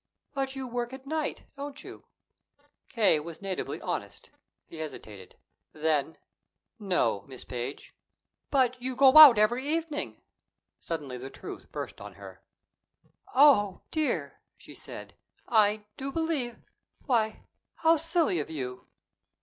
"But you work at night, don't you?" K. was natively honest. He hesitated. Then: "No, Miss Page." "But You go out every evening!" Suddenly the truth burst on her. "Oh, dear!" she said. "I do believe why, how silly of you!"